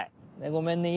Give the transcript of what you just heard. ごめんね？